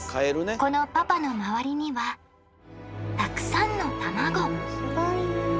このパパの周りにはたくさんのタマゴすごい。